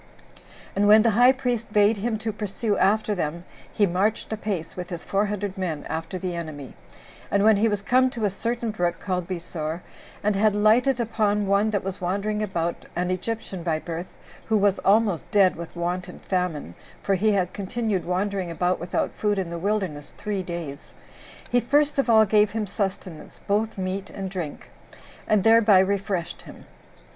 And when the high priest bade him to pursue after them, he marched apace, with his four hundred men, after the enemy; and when he was come to a certain brook called Besor, and had lighted upon one that was wandering about, an Egyptian by birth, who was almost dead with want and famine, [for he had continued wandering about without food in the wilderness three days,] he first of all gave him sustenance, both meat and drink, and thereby refreshed him.